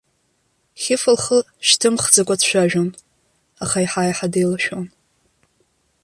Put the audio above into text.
Хьыфа лхы шьҭымхӡакәа дцәажәон, аха еиҳа-еиҳа деилашәон.